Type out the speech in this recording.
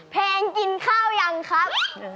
เพลงกินข้าวยังครับ